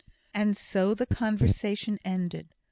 And so the conversation ended.